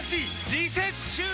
リセッシュー！